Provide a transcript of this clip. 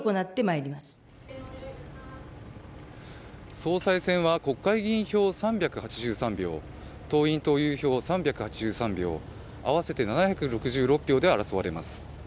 総裁選は国会議員票３８３票、党員・党友票３８３票、合わせて７６６票で争われます。